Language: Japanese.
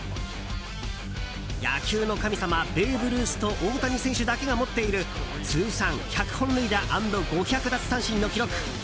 野球の神様ベーブ・ルースと大谷選手だけが持っている通算１００本塁打＆５００奪三振の記録。